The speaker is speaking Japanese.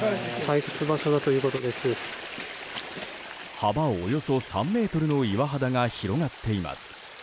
幅およそ３ｍの岩肌が広がっています。